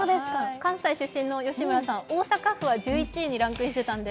関西出身の吉村さん、大阪府は１１位にランクインしていたので。